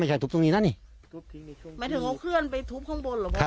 ไม่ใช่ทุบตรงนี้นั่นนี่ทุบทิ้งหมายถึงเอาเคลื่อนไปทุบข้างบนหรือเปล่า